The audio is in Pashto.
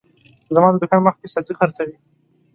زما د دوکان مخه کي سبزي حرڅوي